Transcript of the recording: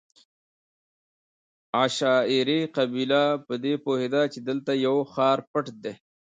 عشایري قبیله په دې پوهېده چې دلته یو ښار پټ دی.